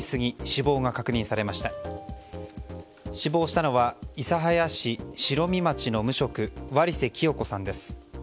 死亡したのは諫早市城見町の無職、割瀬清子さんです。